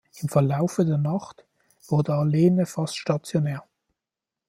Im Verlaufe der Nacht wurde Arlene fast stationär.